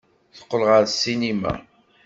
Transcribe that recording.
Teqqel ɣer ssinima.